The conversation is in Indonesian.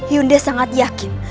yunda sangat yakin